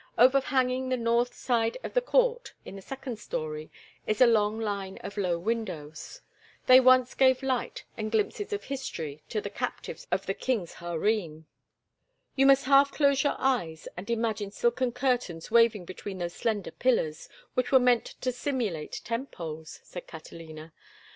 Overhanging the north side of the court—in the second story—is a long line of low windows. They once gave light and glimpses of history to the captives of the king's harem. "You must half close your eyes and imagine silken curtains waving between those slender pillars, which were meant to simulate tent poles," said Catalina.